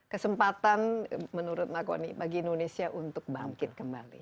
kesempatan menurut mbak koni bagi indonesia untuk bangkit kembali